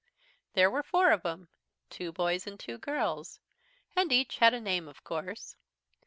"There were four of 'em two boys and two girls and each had a name, of course.